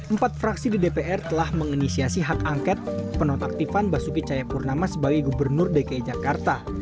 empat fraksi di dpr telah menginisiasi hak angket penonaktifan basuki cayapurnama sebagai gubernur dki jakarta